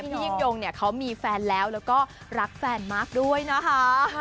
พี่ยิ่งยงเนี่ยเขามีแฟนแล้วแล้วก็รักแฟนมากด้วยนะคะ